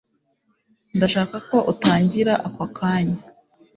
ndashaka ko utangira ako kanya